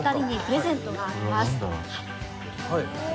はい。